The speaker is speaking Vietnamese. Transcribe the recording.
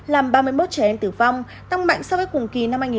làm ba mươi một trẻ em tử vong tăng mạnh so với cùng kỳ năm hai nghìn một mươi tám